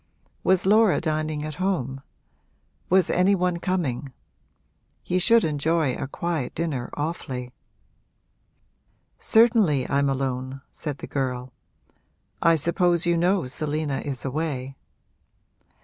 Was Laura dining at home? Was any one coming? He should enjoy a quiet dinner awfully. 'Certainly I'm alone,' said the girl. 'I suppose you know Selina is away.'